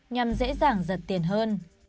nhằm dễ dàng giật tiền hơn